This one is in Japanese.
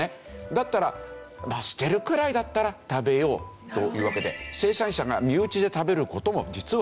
だったら捨てるくらいだったら食べようというわけで生産者が身内で食べる事も実はあるんだそうですよ。